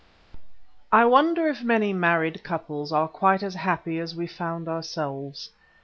I wonder if many married couples are quite as happy as we found ourselves.